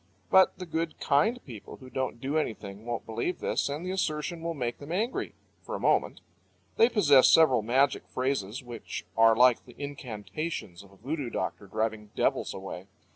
But the good, kind people who don't do anything won't believe this, and the assertion will make them angry for a moment. They possess several magic phrases, which are like the incantations of a voodoo doctor driving devils away.